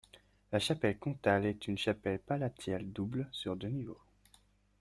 La chapelle comtale est une chapelle palatiale double, sur deux niveaux.